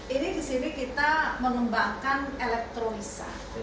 ini di sini kita mengembangkan elektrolisa